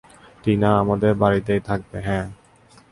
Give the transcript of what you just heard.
টিনা আমাদের বাড়িতেই থাকবে, - হ্যাঁ।